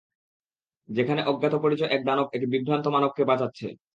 যেখানে অজ্ঞাত পরিচয় এক দানব এক বিভ্রান্ত মানবকে বাঁচাচ্ছে।